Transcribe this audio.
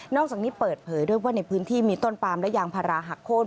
อกจากนี้เปิดเผยด้วยว่าในพื้นที่มีต้นปามและยางพาราหักโค้น